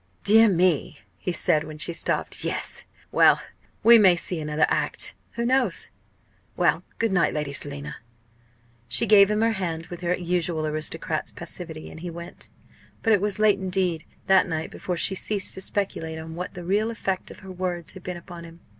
"Dear me!" he said, when she stopped. "Yes well we may see another act. Who knows? Well, good night, Lady Selina." She gave him her hand with her usual aristocrat's passivity, and he went. But it was late indeed that night before she ceased to speculate on what the real effect of her words had been upon him.